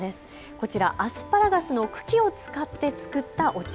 こちらアスパラガスの茎を使って作ったお茶。